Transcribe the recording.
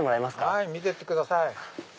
はい見てってください。